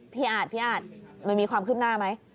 พี่อาจมีความขึ้นหน้าไหม